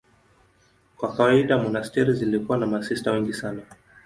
Kwa kawaida monasteri zilikuwa na masista wengi sana.